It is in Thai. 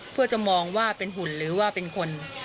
เพื่อจะมองว่าเป็นหุ่นหรือว่าเป็นคน